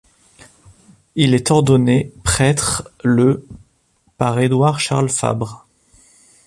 Il est ordonné prêtre le par Édouard-Charles Fabre.